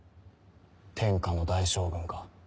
天下の大将軍か。